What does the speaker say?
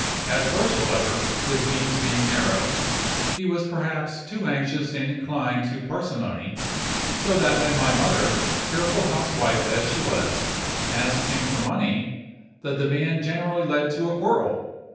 At first, however, his means being narrow, he was perhaps too anxious and inclined to parsimony; so that when my mother, careful housewife as she was, asked him for money, the demand generally led to a quarrel.